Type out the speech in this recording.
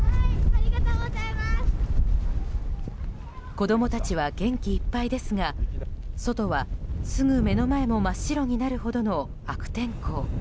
子供たちは元気いっぱいですが外は、すぐ目の前も真っ白になるほどの悪天候。